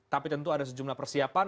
tapi tentu ada sejumlah persiapan